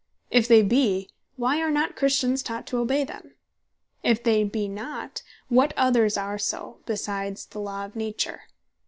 If they bee, why are not Christians taught to obey them? If they be not, what others are so, besides the Law of Nature?